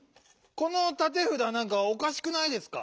このたてふだなんかおかしくないですか？